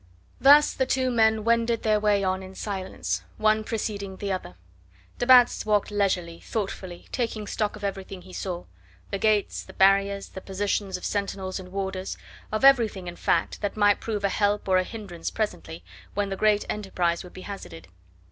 Thus the two men wended their way on in silence, one preceding the other. De Batz walked leisurely, thought fully, taking stock of everything he saw the gates, the barriers, the positions of sentinels and warders, of everything in fact that might prove a help or a hindrance presently, when the great enterprise would be hazarded.